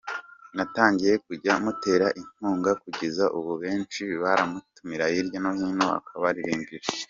Natangiye kujya mutera inkunga, kugeza ubu benshi baramutumira hirya no hino akabaririmbira.